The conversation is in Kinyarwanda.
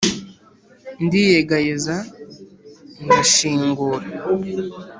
Ndiyegayeza ndashingura